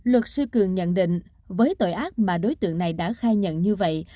luật sư cường nhận định với tội ác mà đối tượng này đã khai nhận như vậy